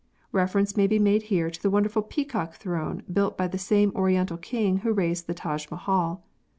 Reference may be made here to the wonderful Peacock Throne built by the same oriental king who raised the Taj Mahal.